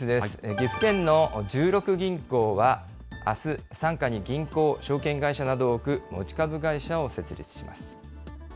岐阜県の十六銀行は、あす、傘下に銀行、証券会社などを置く持ち株会社を設立します。